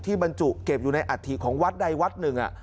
บรรจุเก็บอยู่ในอัฐิของวัดใดวัดหนึ่ง